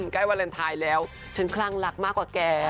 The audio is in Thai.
ใกล้วาเลนไทยแล้วฉันคลั่งรักมากกว่าแก